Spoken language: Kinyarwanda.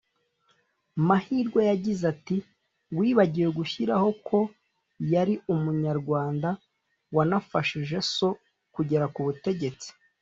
Mahirwe yagize ati “Wibagiwe gushyiraho ko yari umunyarwanda wanafashije so kugera ku butegetsi